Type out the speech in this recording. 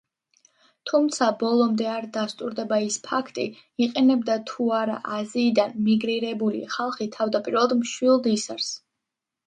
თუმცა ბოლომდე არ დასტურდება ის ფაქტი იყენებდა თუ არა აზიიდან მიგრირებული ხალხი თავდაპირველად მშვილდ-ისარს.